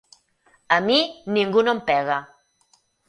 A mi, ningú no em pega!